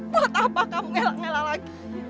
buat apa kamu ngelak ngelak lagi